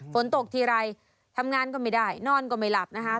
ฝนตกทีไรทำงานก็ไม่ได้นอนก็ไม่หลับนะคะ